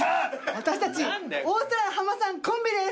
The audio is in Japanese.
私たち大さん浜さんコンビです。